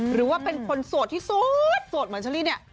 หรือว่าเป็นคนโสดที่โสดเหมือนเชอรี่เนี่ย